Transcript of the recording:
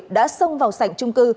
đã xông vào sảnh trung cư